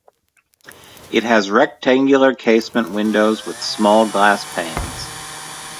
It has rectangular casement windows with small glass panes.